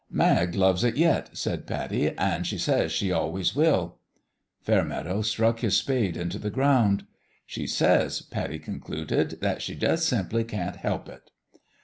" Mag loves it yet," said Pattie ;" an' she says she always will." Fairmeadow struck his spade into the ground. " She says," Pattie concluded, " that she jus' simply can't help it."